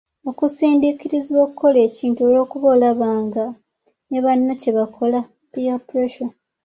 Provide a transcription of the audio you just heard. Okusindiikirizibwa okukola ekintu olw'okuba olaba nga ne banno kye bakola (peer pressure).